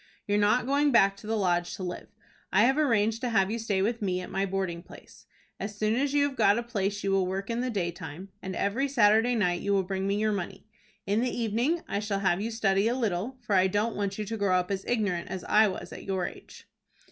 You're not going back to the Lodge to live. I have arranged to have you stay with me at my boarding place. As soon as you have got a place you will work in the daytime, and every Saturday night you will bring me your money. In the evening I shall have you study a little, for I don't want you to grow up as ignorant as I was at your age."